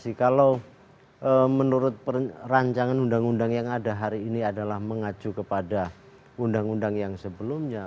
jadi kalau menurut perancangan undang undang yang ada hari ini adalah mengaju kepada undang undang yang sebelumnya